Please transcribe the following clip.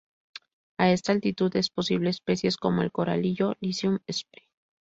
A esta altitud es posible especies como el Coralillo "Lycium sp.